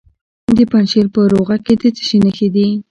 د پنجشیر په روخه کې د څه شي نښې دي؟